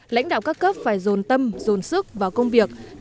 lãnh đạo các cấp phải dồn tâm dồn sức vào công việc